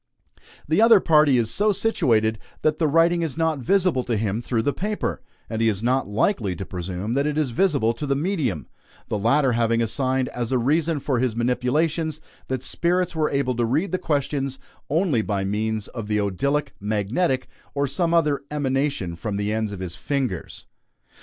The other party is so situated that the writing is not visible to him through the paper, and he is not likely to presume that it is visible to the medium; the latter having assigned as a reason for his manipulations that spirits were able to read the questions only by means of the odylic, magnetic, or some other emanation from the ends of his fingers!